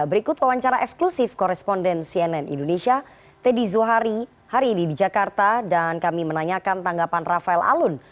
berikut wawancara eksklusif koresponden cnn indonesia teddy zuhari hari ini di jakarta dan kami menanyakan tanggapan rafael alun